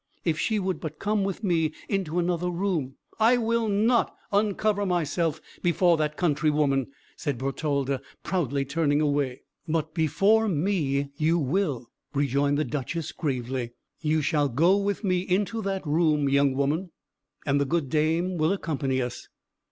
If she would but come with me into another room " "I will not uncover myself before that country woman," said Bertalda, proudly turning away. "But before me, you will," rejoined the Duchess gravely. "You shall go with me into that room, young woman, and the good dame will accompany us."